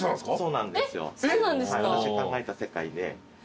私が考えた世界で。